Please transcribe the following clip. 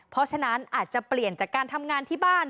เพราะฉะนั้นอาจจะเปลี่ยนจากการทำงานที่บ้าน